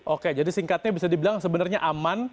oke jadi singkatnya bisa dibilang sebenarnya aman